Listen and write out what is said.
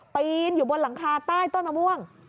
ปีนอยู่บนหลังคาใต้ต้นมะม่วง